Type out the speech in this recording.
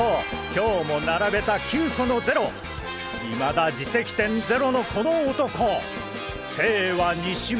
今日も並べた９個の０。いまだ自責点ゼロのこの男姓は西村！